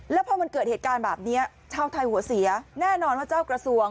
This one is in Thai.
แล้วพอมันเกิดเหตุการณ์แบบนี้ชาวไทยหัวเสียแน่นอนว่าเจ้ากระทรวง